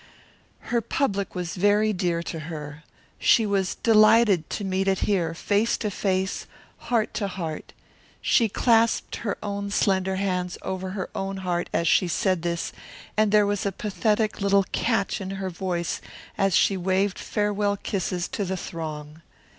Her public was very dear to her. She was delighted to meet it here, face to face, heart to heart. She clasped her own slender hands over her own heart as she said this, and there was a pathetic little catch in her voice as she waved farewell kisses to the throng.